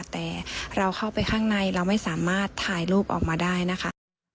แต่เราเข้าไปข้างในเราไม่สามารถถ่ายรูปออกมาได้นะคะ